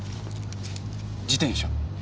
自転車。